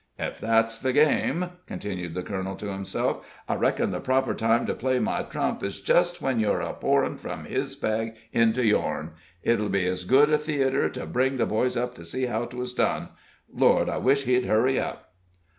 "Ef that's the game," continued the colonel, to himself, "I reckon the proper time to play my trump is just when you're a pourin' from his bag into your'n. It'll be ez good's a theatre, to bring the boys up to see how 'twas done. Lord! I wish he'd hurry up!"